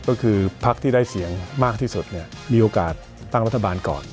ก็คือพักที่ได้เสียงมากที่สุดเนี่ยมีโอกาสตั้งรัฐบาลก่อน